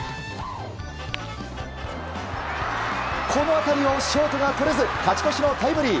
この当たりをショートがとれず勝ち越しのタイムリー。